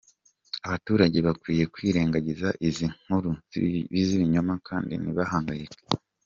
Abaturage bakwiye kwirengagiza izi nkuru z’ibinyoma kandi ntibahangayike”.